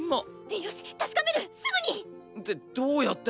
よし確かめるすぐに！ってどうやって？